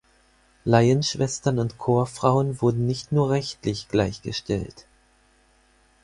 Laienschwestern und Chorfrauen wurden nicht nur rechtlich gleichgestellt.